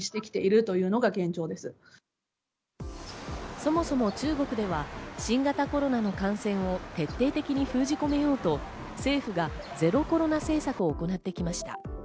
そもそも中国では新型コロナの感染を徹底的に封じ込めようと政府がゼロコロナ政策を行ってきました。